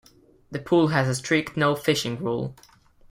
The pool has a strict no fishing rule.